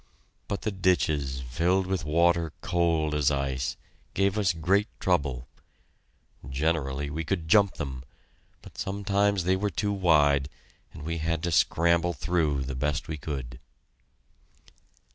But the ditches, filled with water cold as ice, gave us great trouble. Generally we could jump them, but sometimes they were too wide and we had to scramble through the best we could.